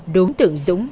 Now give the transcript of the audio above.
đối tượng dũng